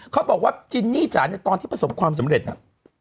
เขาบอกว่าจินนี่จ๋าเนี่ยตอนที่ประสบความสำเร็จอ่ะ